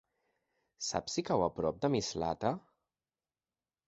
Saps si cau a prop de Mislata?